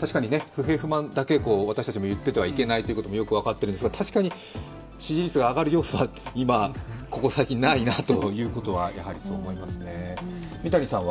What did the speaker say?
確かに不平不満だけ私たちも言っていてはいけないということもよく分かっているんですが、確かに支持率が上がる要素が今、ここ最近ないなということはやはりそう思いますね。